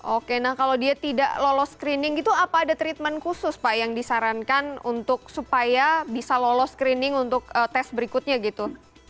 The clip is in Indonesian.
oke nah kalau dia tidak lolos screening gitu apa ada treatment khusus pak yang disarankan untuk supaya bisa lolos screening untuk tes berikutnya gitu